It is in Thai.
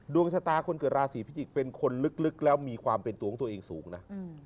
ดวงชะตาคนเกิดราศีพิจิกษ์เป็นคนลึกแล้วมีความเป็นตัวของตัวเองสูงนะ